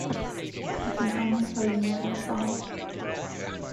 I can only tell you what I saw.